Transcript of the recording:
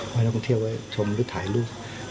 ให้ท่านที่เที่ยวไว้ชมหรือถ่ายรูป